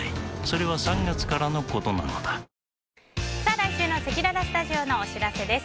来週のせきららスタジオのお知らせです。